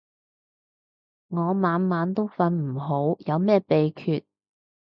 我晚晚都瞓唔好，有咩秘訣